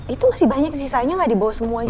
itu masih banyak sisanya gak dibawa semua juga